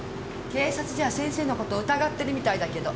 警察じゃ先生の事疑ってるみたいだけど。